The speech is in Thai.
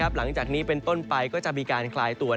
หลังจากนี้เป็นต้นไปก็จะมีการคลายตัว